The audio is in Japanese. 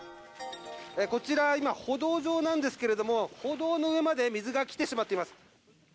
こちら、今、歩道上なんですけれども、歩道の上まで水が来てしまっています。